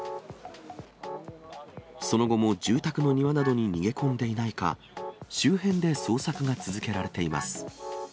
その後も住宅の庭などに逃げ込んでいないか、周辺で捜索が続けられています。